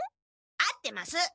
合ってます！